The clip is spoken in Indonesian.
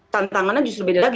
tantangannya justru beda lagi